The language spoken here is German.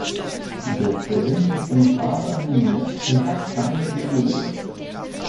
Der Film ist in Farbe animiert und hat keine Dialoge.